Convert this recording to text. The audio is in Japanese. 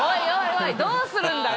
おいどうするんだよ。